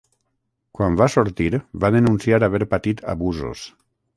Quan va sortir va denunciar haver patit abusos.